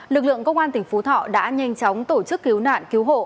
lực lượng công an tỉnh phú thọ đã nhanh chóng tổ chức cứu nạn cứu hộ